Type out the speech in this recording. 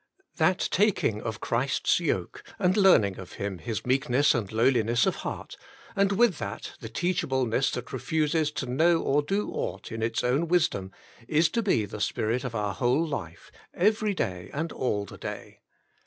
That taking of Christ's yoke and learning of Him His meekness and lowliness of heart, and with that, the teachableness that refuses to know or do aught in its own wisdom, is to be the spirit of our whole life, every day and all the day.